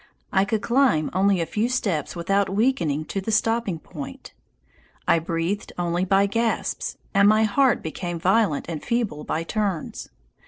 I could climb only a few steps without weakening to the stopping point. I breathed only by gasps, and my heart became violent and feeble by turns.